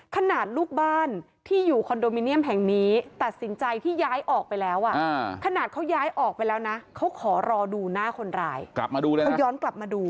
ขนาดลูกบ้านที่อยู่คอนโดมิเนียมแห่งนี้ตัดสินใจที่ย้ายออกไปแล้วอ่ะขนาดเขาย้ายออกไปแล้วนะเขาขอรอดูหน้าคนร้ายกลับมาดูแล้วเขาย้อนกลับมาดู